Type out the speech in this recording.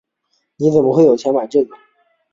你怎么会有钱买这个？